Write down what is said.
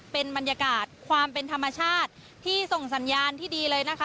เป็นบรรยากาศความเป็นธรรมชาติที่ส่งสัญญาณที่ดีเลยนะคะ